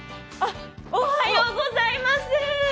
おはようございます。